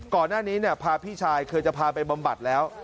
ก่อนหน้านี้เนี่ยพาพี่ชายเคยจะพาไปบำบัดแล้ว